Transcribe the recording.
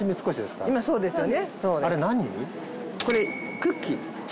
これクッキー。